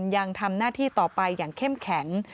ยังทำหน้าที่ต่อไปอย่างเข้มแข็ง